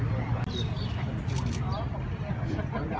ขอบคุณค่ะ